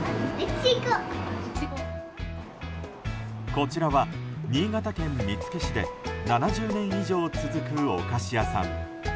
こちらは新潟県見附市で７０年以上続くお菓子屋さん。